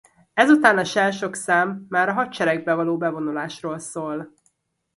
Ez után a Shell Shock szám már a hadseregbe való bevonulásról szól.